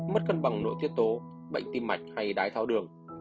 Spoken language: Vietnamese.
mất cân bằng nội tiết tố bệnh tim mạch hay đái tháo đường